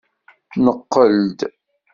Neqqel-d.